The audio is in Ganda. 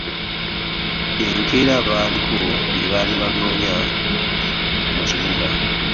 Enkeera, baaliko bye baali banoonya mu kibuga.